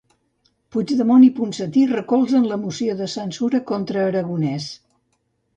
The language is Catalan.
Puigdemont i Ponsatí recolzen la moció de censura contra Aragonès.